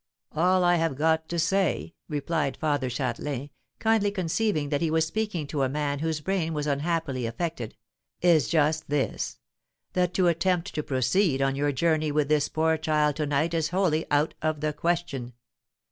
"All I have got to say," replied Father Châtelain, kindly conceiving that he was speaking to a man whose brain was unhappily affected, "is just this that to attempt to proceed on your journey with this poor child to night is wholly out of the question.